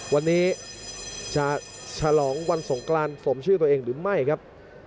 วันนี้จะฉลองวันสงกรานสมชื่อตัวเองหรือไม่ครับ